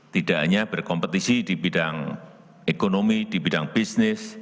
tidak hanya berkompetisi di bidang ekonomi di bidang bisnis